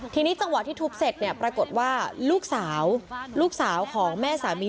ทีนี้จังหวะที่ทุบเสร็จเนี่ยปรากฏว่าลูกสาวลูกสาวของแม่สามี